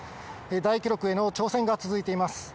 大記録への挑戦が続いています。